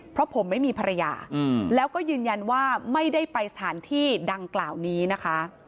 เพราะผมไม่มีภรรยาแล้วก็ยืนยันว่าไม่ได้ไปสถานที่ดังกล่าวนี้นะคะ